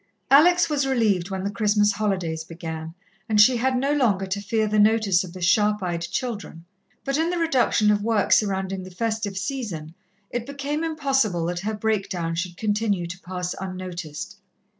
Alex was relieved when the Christmas holidays began, and she had no longer to fear the notice of the sharp eyed children, but in the reduction of work surrounding the festive season, it became impossible that her breakdown should continue to pass unnoticed.